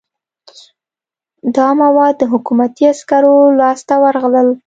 دا مواد د حکومتي عسکرو لاس ته ورغلل.